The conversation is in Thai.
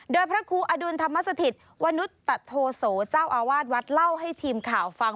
โดยพระครูอดุลธรรมสถิตวนุตโทโสเจ้าอาวาสวัดเล่าให้ทีมข่าวฟัง